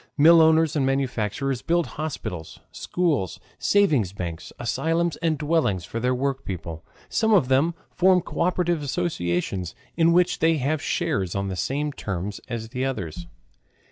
Millowners and manufacturers build hospitals, schools, savings banks, asylums, and dwellings for their workpeople. Some of them form co operative associations in which they have shares on the same terms as the others.